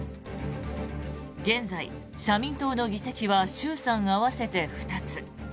現在、社民党の議席は衆参合わせて２つ。